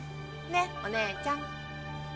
ねっお姉ちゃん。